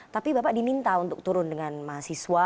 tapi bapak diminta untuk turun dengan mahasiswa